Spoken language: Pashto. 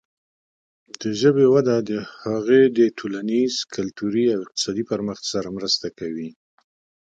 د ژبې وده د هغې د ټولنیز، کلتوري او اقتصادي پرمختګ سره مرسته کوي.